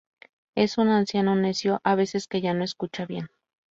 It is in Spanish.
Es un anciano necio a veces, que ya no escucha bien.